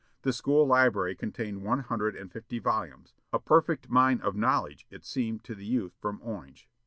The school library contained one hundred and fifty volumes; a perfect mine of knowledge it seemed to the youth from Orange.